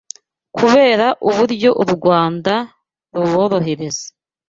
Kubera uburyo u Rwanda ruborohereza